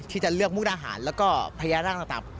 ที่จะเลือกมุกดาหารแล้วก็พญานาคต่าง